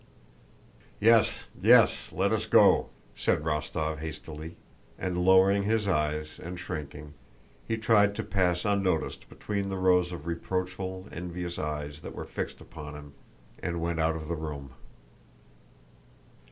"Yes, yes, let us go," said Rostóv hastily, and lowering his eyes and shrinking, he tried to pass unnoticed between the rows of reproachful envious eyes that were fixed upon him, and went out of the room.